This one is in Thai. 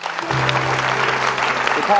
สวัสดีครับ